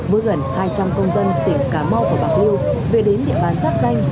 với gần hai trăm linh công dân tỉnh cà mau và bạc liêu về đến địa bàn giáp danh